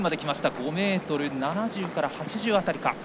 ５ｍ７０から８０辺りか。